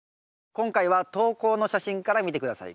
今回は投稿の写真から見て下さい。